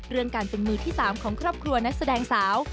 เรื่องการเป็นมือที่๓ของครอบครัวนักแสดงสาว